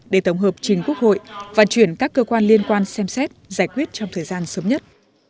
để tổng hợp trình quốc hội và chuyển các cơ quan liên quan xem xét giải quyết trong thời gian sớm nhất